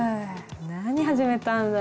何始めたんだろう。